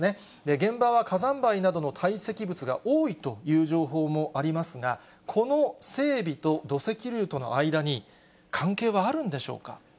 現場は火山灰などの堆積物が多いという情報もありますが、この整備と土石流との間に、関係はあるんでしょうか。